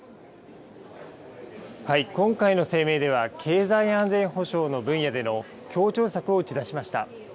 今回の声明では、経済安全保障の分野での協調策を打ち出しました。